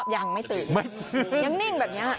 ยังนิ่งแบบอย่างนี้